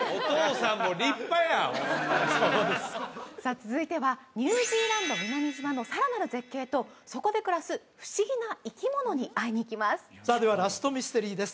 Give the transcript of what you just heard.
続いてはニュージーランド南島のさらなる絶景とそこで暮らす不思議な生き物に会いに行きますさあではラストミステリーです